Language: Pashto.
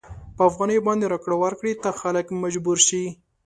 په افغانیو باندې راکړې ورکړې ته خلک مجبور شي.